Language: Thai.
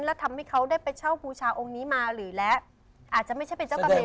แล้วทำให้เขาได้ไปเช่าบูชาองค์นี้มาหรือและอาจจะไม่ใช่เป็นเจ้าตัวเอง